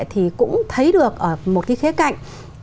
thì cũng thấy được ở một cái khía cạnh